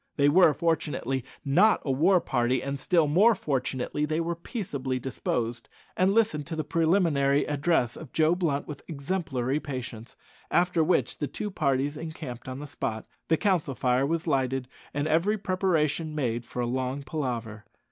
They were, fortunately, not a war party, and, still more fortunately, they were peaceably disposed, and listened to the preliminary address of Joe Blunt with exemplary patience; after which the two parties encamped on the spot, the council fire was lighted, and every preparation made for a long palaver.